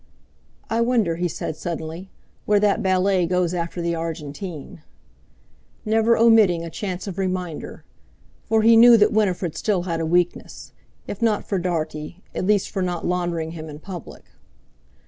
"I wonder," he said suddenly, "where that ballet goes after the Argentine"; never omitting a chance of reminder; for he knew that Winifred still had a weakness, if not for Dartie, at least for not laundering him in public.